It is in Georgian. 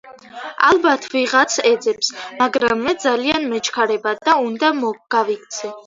ალბათ ვიღაც ეძებს, მაგრამ მე ძალიან მეჩქარება და უნდა გავიქცე.